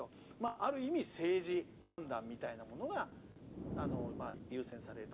ある意味政治判断みたいなものが優先されると。